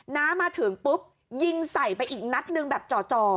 น้ามาถึงปุ๊บยิงใส่ไปอีกนัดหนึ่งแบบจ่อ